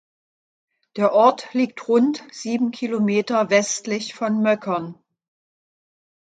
Der Ort liegt rund sieben Kilometer westlich von Möckern.